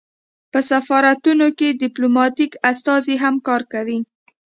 په سفارتونو کې ډیپلوماتیک استازي هم کار کوي